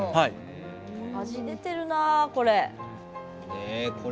味出てるな、これ。